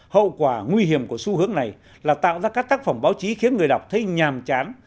hậu quả nguy hiểm của xu hướng này là tạo ra các tác phẩm báo chí khiến người đọc thấy nhàm chán